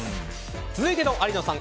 続いての有野さん